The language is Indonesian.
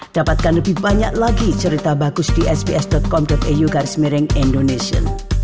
dapatkan lebih banyak lagi cerita bagus di sps com eu garis miring indonesia